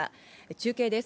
中継です。